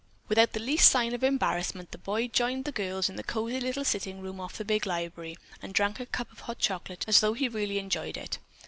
Without the least sign of embarrassment the boy joined the girls in the cosy little sitting room off the big library, and drank a cup of chocolate as though he really enjoyed it.